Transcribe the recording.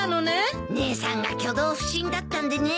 姉さんが挙動不審だったんでね。